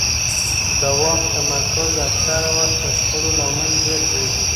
د واک تمرکز اکثره وخت د شخړو لامل ګرځي